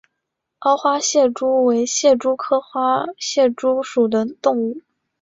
凹花蟹蛛为蟹蛛科花蟹蛛属的动物。